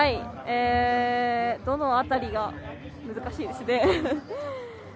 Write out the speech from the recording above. どの辺りが難しいですね。